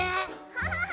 ハハハ！